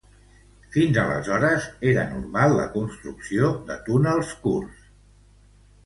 Fins aleshores, era normal la construcció de túnels curts.